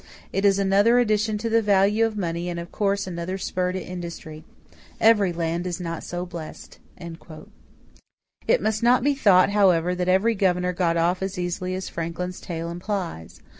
It is another addition to the value of money and of course another spur to industry. Every land is not so blessed." It must not be thought, however, that every governor got off as easily as Franklin's tale implies.